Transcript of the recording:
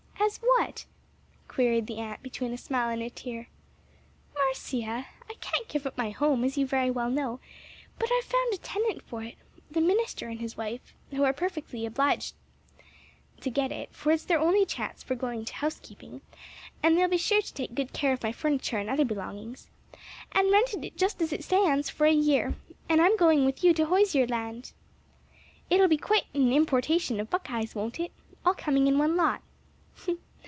"As what?" queried the aunt between a smile and a tear. "Marcia, I can't give up my home, as you very well know; but I have found a tenant for it (the minister and his wife who are perfectly delighted to get it; for it's their only chance for going to housekeeping; and they'll be sure to take good care of my furniture and other belongings), and rented it just as it stands, for a year; and I'm going with you to Hoosier land. "It'll be quite an importation of Buckeyes, won't it? All coming in one lot."